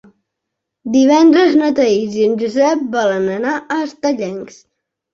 Divendres na Thaís i en Josep volen anar a Estellencs.